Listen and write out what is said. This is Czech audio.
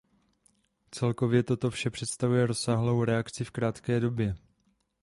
Celkově toto vše přestavuje rozsáhlou reakci v krátké době.